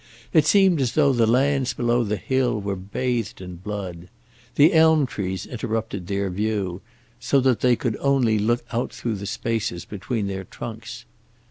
It seemed as though the lands below the hill were bathed in blood. The elm trees interrupted their view, so that they could only look out through the spaces between their trunks.